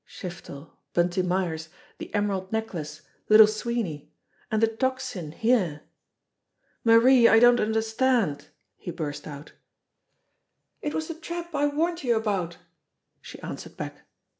Shiftel, Bunty Myers, the emer ald necklace, Little Sweeney ! And the Tocsin here ! "Marie, I don't understand !" he burst out. "It was the trap I warned you about," she answered back.